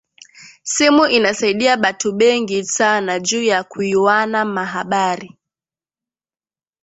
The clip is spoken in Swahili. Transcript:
Simu inasaidia batu bengi sana juya kuyuwana ma habari